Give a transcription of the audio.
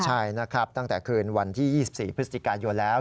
ใช่นะครับตั้งแต่คืนวันที่๒๔พฤศจิกายนแล้ว